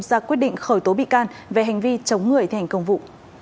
ra quyết định khởi tố bị can về hành vi chống người thi hành công vụ